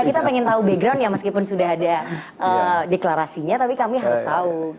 kita pengen tahu background ya meskipun sudah ada deklarasinya tapi kami harus tahu